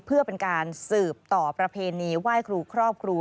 เพื่อเป็นการสืบต่อประเพณีไหว้ครูครอบครู